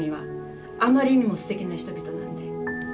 あまりにもすてきな人々なんで。